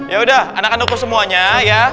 ya udah anak anakku semuanya ya